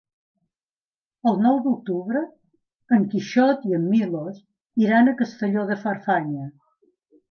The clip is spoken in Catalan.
El nou d'octubre en Quixot i en Milos iran a Castelló de Farfanya.